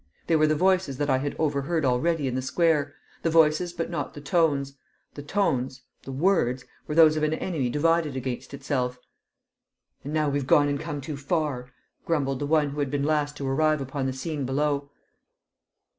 They were the voices that I had overheard already in the square, the voices but not the tones. The tones the words were those of an enemy divided against itself. "And now we've gone and come too far!" grumbled the one who had been last to arrive upon the scene below.